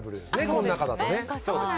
この中だとね。